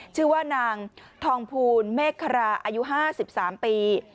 ชื่อว่านางทองภูลเมฆคาราอายุ๕๓ปี